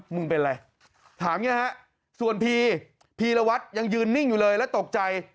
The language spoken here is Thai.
มึงเป็นอะไรถามอย่างนี้ฮะส่วนพีพีรวัตรยังยืนนิ่งอยู่เลยแล้วตกใจ